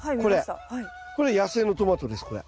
これ野生のトマトですこれ。